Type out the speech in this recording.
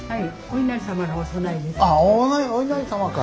ああお稲荷様か。